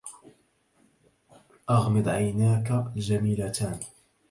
أغمض عيناك الجميلتان.